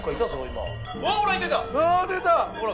今うわ出たほら